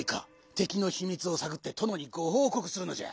てきのひみつをさぐってとのにごほうこくするのじゃ。